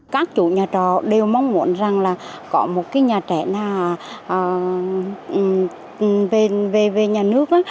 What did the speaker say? các chủ nhà trò đều mong muốn rằng là có một cái nhà trẻ nào về nhà nước